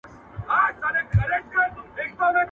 • د نغري غاړه له دښمنه ډکه ښه ده، نه له دوسته خالي.